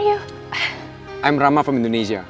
saya rama dari indonesia